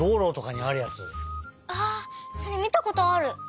それみたことある。